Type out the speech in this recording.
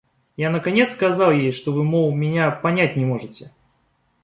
Я наконец сказал ей, что вы, мол, меня понять не можете.